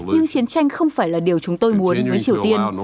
nhưng chiến tranh không phải là điều chúng tôi muốn với triều tiên